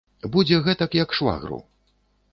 Будзе гэтак, як швагру.